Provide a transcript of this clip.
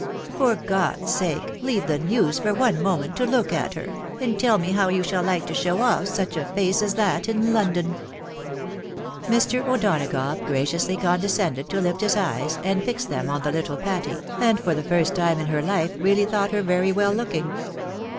For God's sake, leave the news for one moment to look at her, and teU me how you shaU Uke to show off such a face as that in London !" Mr. O'Donagough graciously condescended to lift his eyes, and fix them on the little Patty, and for the first time in her life really thought her very well looking.